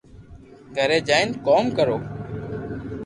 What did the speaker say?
گھري جائين ڪوم ڪرو